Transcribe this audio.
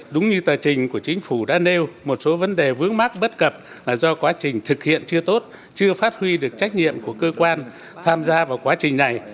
đúng như tờ trình của chính phủ đã nêu một số vấn đề vướng mắc bất cập là do quá trình thực hiện chưa tốt chưa phát huy được trách nhiệm của cơ quan tham gia vào quá trình này